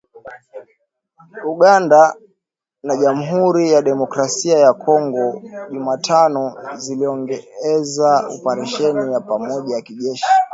Uganda na Jamhuri ya Kidemokrasi ya Kongo Jumatano ziliongeza operesheni ya pamoja ya kijeshi